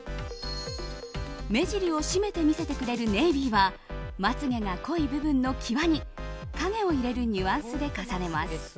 目尻を締めて見せてくれるネイビーはまつ毛が濃い部分の際に影を入れるニュアンスで重ねます。